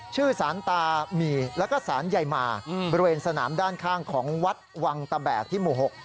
ชื่อสารตามีแล้วก็สารใยมาบริเวณสนามด้านข้างของวัดวังตะแบกที่หมู่๖